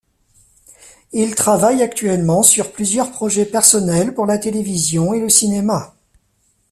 Il travaille actuellement sur plusieurs projets personnels pour la télévision et le cinéma.